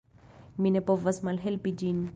Mi ne povas malhelpi ĝin.